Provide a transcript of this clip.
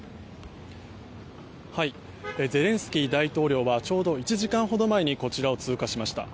ゼレンスキー大統領はちょうど１時間ほど前にこちらを通過しました。